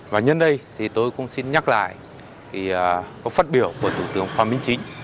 và nhân đây thì tôi cũng xin nhắc lại cái phát biểu của thủ tướng khoa minh chính